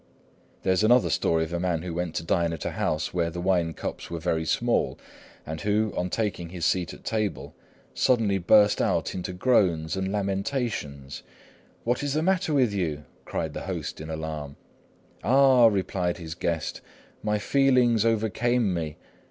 There is another story of a man who went to dine at a house where the wine cups were very small, and who, on taking his seat at table, suddenly burst out into groans and lamentations. "What is the matter with you?" cried the host, in alarm. "Ah," replied his guest, "my feelings overcame me.